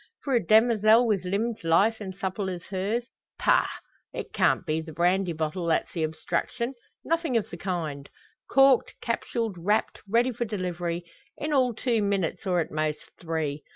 For a demoiselle with limbs lithe and supple as hers pah! It can't be the brandy bottle that's the obstruction. Nothing of the kind. Corked, capsuled, wrapped, ready for delivery in all two minutes, or at most, three!